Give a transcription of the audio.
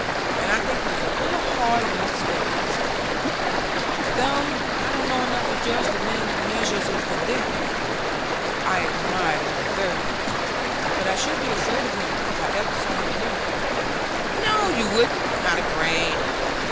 I think he was a little hard and unsparing, sometimes, though I don't know enough to judge the men and measures he condemned. I admire him very much, but I should be afraid of him if I ever saw him nearer." "No, you wouldn't; not a grain.